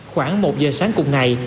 khoảng một giờ sáng cùng ngày